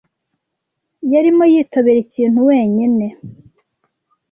yarimo yitobera ikintu wenyine.